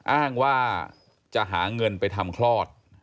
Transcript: อ้างว่าจะหาเงินไปทำคลอด